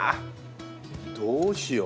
どうしよう。